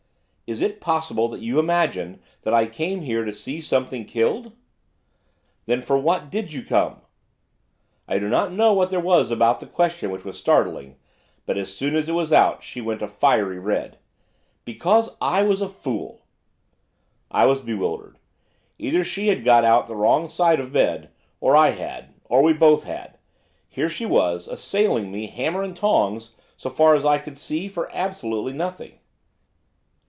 'Is it possible that you imagine that I came here to see something killed?' 'Then for what did you come?' I do not know what there was about the question which was startling, but as soon as it was out, she went a fiery red. 'Because I was a fool.' I was bewildered. Either she had got out of the wrong side of bed, or I had, or we both had. Here she was, assailing me, hammer and tongs, so far as I could see, for absolutely nothing.